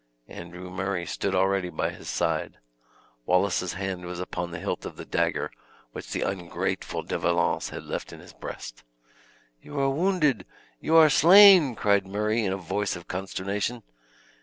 Andrew Murray stood already by his side. Wallace's hand was upon the hilt of the dagger which the ungrateful De Valence had left in his breast. "You are wounded! you are slain!" cried Murray in a voice of consternation.